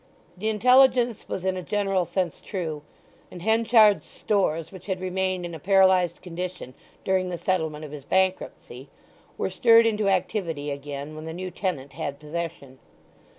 The intelligence was in a general sense true; and Henchard's stores, which had remained in a paralyzed condition during the settlement of his bankruptcy, were stirred into activity again when the new tenant had possession.